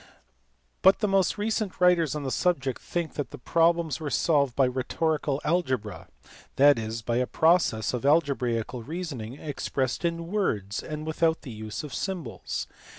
But the most recent writers on the subject think that the problems were solved by rhetorical algebra, that is, by a process of algebraical reasoning expressed in words and without the use of any symbols.